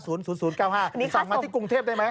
สั่งมาที่กรุงเทพได้ไหม